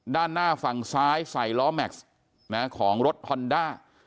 ด้านหน้าฝั่งซ้ายใส่ล้อแม็กซ์ของรถฮอนด้า